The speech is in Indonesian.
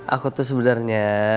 aku tuh sebenernya